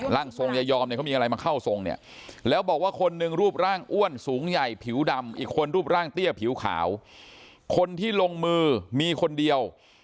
ร่างทรงยายอมเนี่ยเขามีอะไรมาเข้าทรงเนี่ยแล้วบอกว่าคนหนึ่งรูปร่างอ้วนสูงใหญ่ผิวดำอีกคนรูปร่างเตี้ยผิวขาวคนที่ลงมือมีคนเดียว